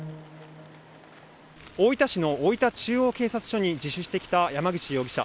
大分市の大分中央署に自首してきた山口容疑者。